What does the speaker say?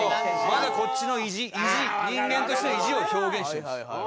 まだこっちの意地人間としての意地を表現してます。